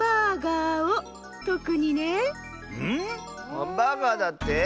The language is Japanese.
ハンバーガーだって？